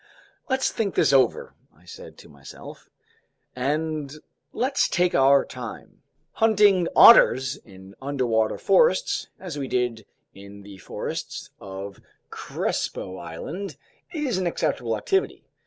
"Let's think this over," I said to myself, "and let's take our time. Hunting otters in underwater forests, as we did in the forests of Crespo Island, is an acceptable activity.